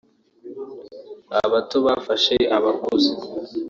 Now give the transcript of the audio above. abato bafashe abakuze